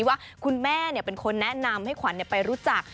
ว่าคุณแม่เป็นคนแนะนำให้ขวัญไปรู้จัก